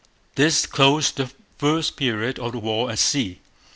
This closed the first period of the war at sea.